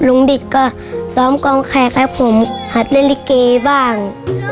ดิตก็ซ้อมกองแขกให้ผมหัดเล่นลิเกบ้าง